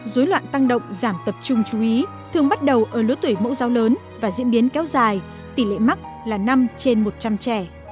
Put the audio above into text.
dối loạn tăng động giảm tập trung chú ý thường bắt đầu ở lứa tuổi mẫu giáo lớn và diễn biến kéo dài tỷ lệ mắc là năm trên một trăm linh trẻ